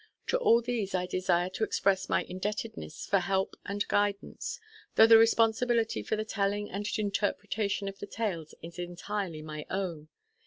To all of these I desire to express my indebtedness for help and guidance, though the responsibility for the telling and interpretation of the tales is entirely my own.